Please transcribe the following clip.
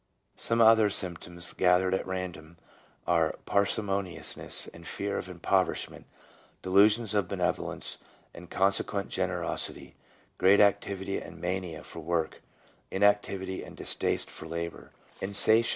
Some other symptoms gathered at random are parsimoniousness and fear of impoverishment, delusions of benevolence and consequent generosity, great activity and mania for work, inactivity and distaste for labour, insatiable 1 H.